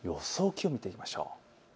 気温を見ていきましょう。